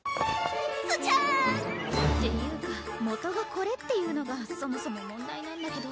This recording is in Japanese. スチャーン！っていうか元がこれっていうのがそもそも問題なんだけど。